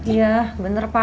iya bener pa